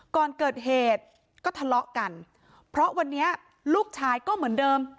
ก่อนเกิดเหตุก็ทะเลาะกันเพราะวันนี้ลูกชายก็เหมือนเดิม